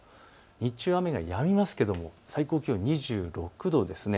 日中は雨はやみますが最高気温２６度です。